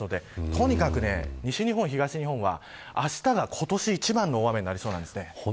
とにかく西日本、東日本は朝から今年一番の大雨になりそうです。